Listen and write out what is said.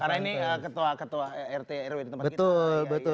karena ini ketua ketua rt ru di tempat kita